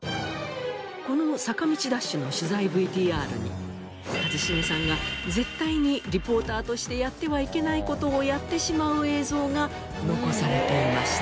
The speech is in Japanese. この坂道ダッシュの取材ＶＴＲに一茂さんが絶対にリポーターとしてやってはいけない事をやってしまう映像が残されていました。